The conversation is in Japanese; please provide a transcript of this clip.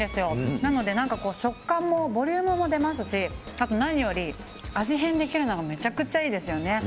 なので、なんか食感もボリュームも出ますし、あと何より味変できるのがめちゃくちゃいいですよね。